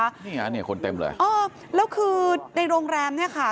นี่ฮะเนี่ยคนเต็มเลยเออแล้วคือในโรงแรมเนี่ยค่ะ